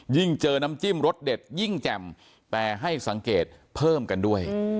ยิ่งเจอน้ำจิ้มรสเด็ดยิ่งแจ่มแต่ให้สังเกตเพิ่มกันด้วย